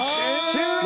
終了！